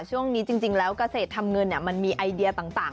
ช่วงนี้จริงแล้วเกษตรทำเงินมันมีไอเดียต่าง